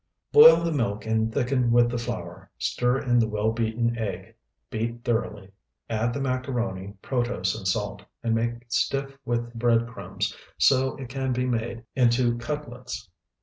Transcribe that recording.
Boil the milk and thicken with the flour; stir in the well beaten egg; beat thoroughly. Add the macaroni, protose, and salt, and make stiff with the bread crumbs, so that it can be made into cutlets.